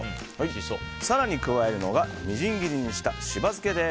更に加えるのがみじん切りにした、しば漬けです。